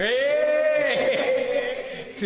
iduh iduh iduh